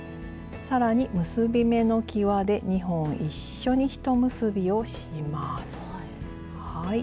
更に結び目のきわで２本一緒にひと結びをします。